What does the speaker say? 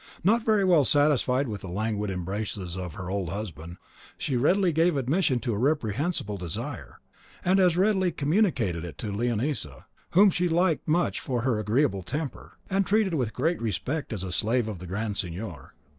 Not very well satisfied with the languid embraces of her old husband, she readily gave admission to a reprehensible desire, and as readily communicated it to Leonisa, whom she liked much for her agreeable temper, and treated with great respect as a slave of the Grand Signor.